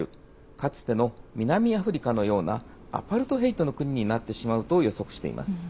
かつての南アフリカのようなアパルトヘイトの国になってしまうと予測しています。